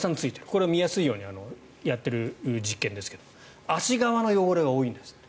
これは見やすいようにやっている実験ですけど足側の汚れが多いんですって。